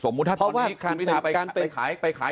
สมมุติว่าพคีศครับเป็นไทยค่อย